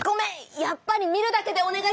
やっぱり見るだけでお願いします！